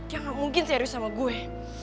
ya gak mungkin serius sama gue